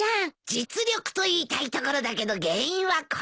実力と言いたいところだけど原因はこれだよ。